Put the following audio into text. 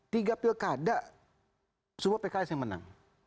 tiga pilkada semua pks yang menang